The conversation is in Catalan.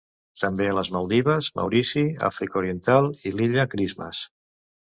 També a les Maldives, Maurici, Àfrica Oriental i l'Illa Christmas.